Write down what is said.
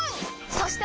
そして！